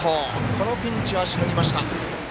このピンチはしのぎました。